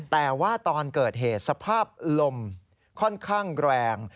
แต่ว่าตอนเกิดเหตุสภาพลมค่อนข้างแรง